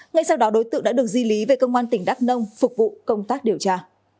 ngay sau đó đối tượng đã được di lý về công an tỉnh đắk nông phục vụ công tác điều tra